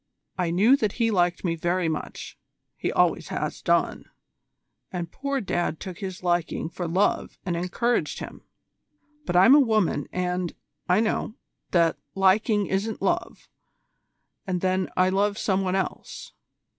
I knew that he liked me very much he always has done and poor Dad took his liking for love and encouraged him: but I'm a woman and, I know, that liking isn't love and then I love some one else.